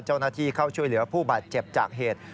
เจ้าหน้าที่เข้าช่วยเหลือผู้บาดเจ็บจากเหตุ